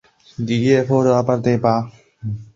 里耶德塞尔特。